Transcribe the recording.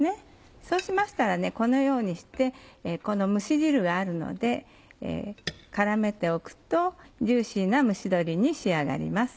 そうしましたらこのようにしてこの蒸し汁があるので絡めておくとジューシーな蒸し鶏に仕上がります。